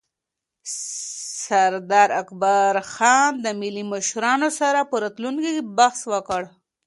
سردار اکبرخان د ملي مشرانو سره پر راتلونکي بحث وکړ.